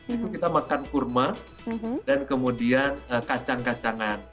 itu kita makan kurma dan kemudian kacang kacangan